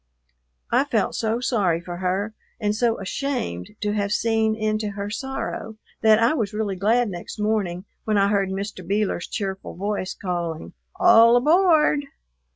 I felt so sorry for her and so ashamed to have seen into her sorrow that I was really glad next morning when I heard Mr. Beeler's cheerful voice calling, "All aboard!"